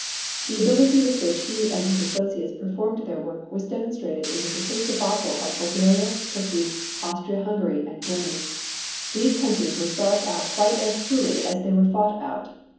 The ability with which he and his associates performed their work was demonstrated in the complete debacle of Bulgaria, Turkey, Austria Hungary and Germany. These countries were starved out quite as truly as they were fought out.